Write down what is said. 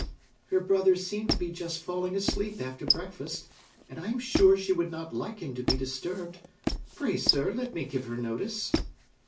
"Her brother seemed to be just falling asleep after breakfast; and I am sure she would not like him to be disturbed. Pray, sir, let me give her notice!"